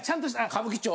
歌舞伎町？